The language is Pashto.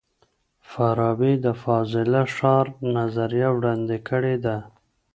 فارابي د فاضله ښار نظریه وړاندې کړې ده.